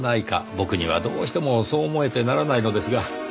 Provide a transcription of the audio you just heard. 僕にはどうしてもそう思えてならないのですが。